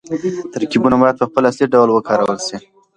ترکيبونه بايد په خپل اصلي ډول وکارول شي.